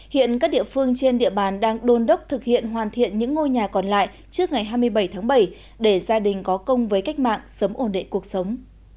hiện các địa phương trên địa bàn đang đôn đốc thực hiện hoàn thiện những ngôi nhà còn lại trước ngày hai mươi bảy tháng bảy để gia đình có công với cách mạng sớm ổn định cuộc sống